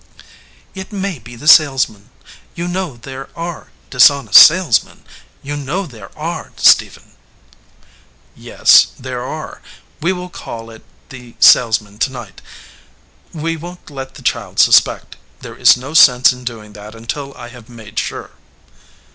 "It may be the salesman. You know there are dishonest salesmen. You know there are, Stephen." "Yes, there are. We will call it the salesman to night. We won t let the child suspect. There is no sense in doing that until I have made sure."